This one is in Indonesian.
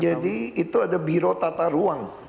jadi itu ada biro tata ruang